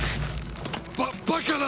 ババカな！